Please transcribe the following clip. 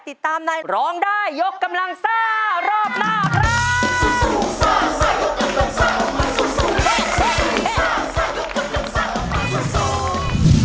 ติดตามในร้องได้ยกกำลังซ่ารอบหน้าครับ